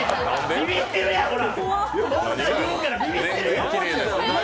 ビビってるやん、ほら！